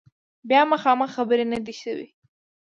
بیا مخامخ خبرې نه دي شوي